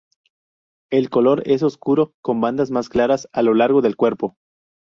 El color es oscuro, con bandas más claras a lo largo del cuerpo.